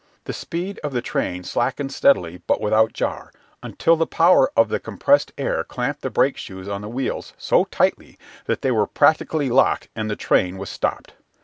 The speed of the train slackened steadily but without jar, until the power of the compressed air clamped the brake shoes on the wheels so tightly that they were practically locked and the train was stopped.